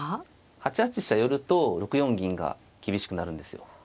８八飛車寄ると６四銀が厳しくなるんですよ。